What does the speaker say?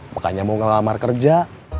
makanya mau ngelamar kerja